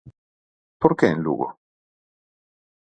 ¿Por que en Lugo?